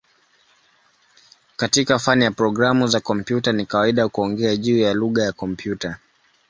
Katika fani ya programu za kompyuta ni kawaida kuongea juu ya "lugha ya kompyuta".